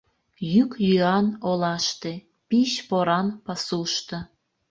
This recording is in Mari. Йӱк-йӱан олаште, пич поран — пасушто.